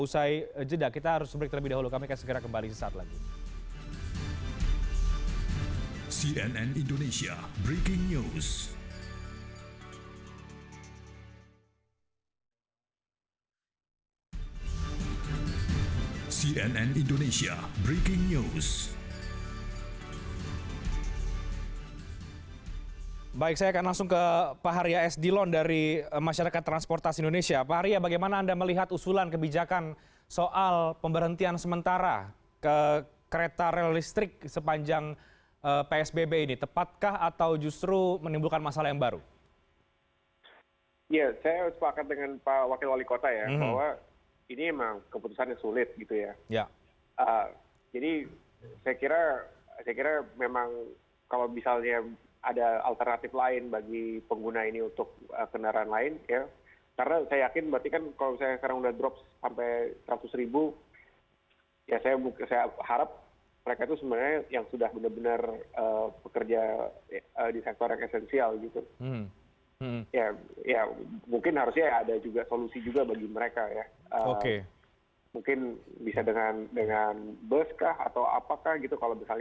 seperti tadi disampaikan enam puluh orang per gerbong atau per kereta begitu